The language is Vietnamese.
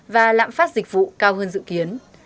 và lạm phát dịch vụ cao hơn dự kiến